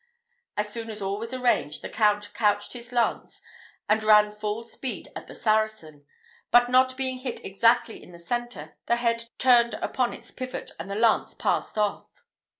As soon as all was arranged, the Count couched his lance and ran full speed at the Saracen; but not being hit exactly in the centre, the head turned upon its pivot, and the lance passed off.